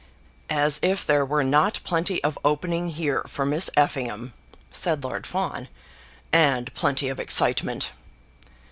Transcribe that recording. "As if there were not plenty of opening here for Miss Effingham," said Lord Fawn, "and plenty of excitement."